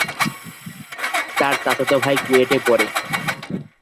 তার চাচাতো ভাই কুয়েটে পড়ে।